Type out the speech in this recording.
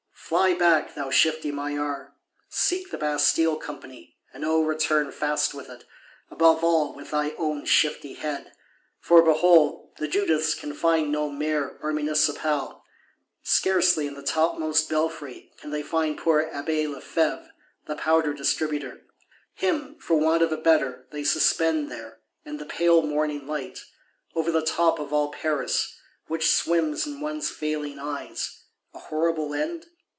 Fly back, thou shifty Maillard; seek the Bastille Company; and O return fast with it; above all, with thy own shifty head! For, behold, the Judiths can find no Mayor or Municipal; scarcely, in the topmost belfry, can they find poor Abbé Lefevre the Powder distributor. Him, for want of a better, they suspend there; in the pale morning light; over the top of all Paris, which swims in one's failing eyes:—a horrible end?